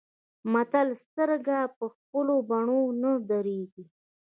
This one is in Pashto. متل : سترګه په خپلو بڼو نه درنيږي.